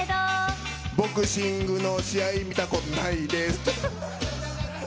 ボクシングの試合見たことないです。